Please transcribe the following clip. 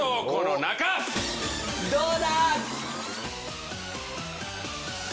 どうだ！